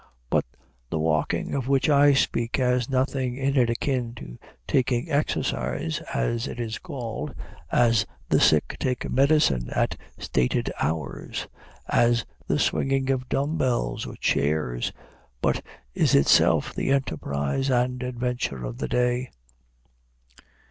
But the walking of which I speak has nothing in it akin to taking exercise, as it is called, as the sick take medicine at stated hours, as the swinging of dumb bells or chairs; but is itself the enterprise and adventure of the day.